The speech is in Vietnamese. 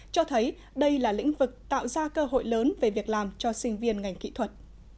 cho thấy đây là lĩnh vực tạo ra cơ hội lớn về việc làm cho sinh viên ngành kỹ thuật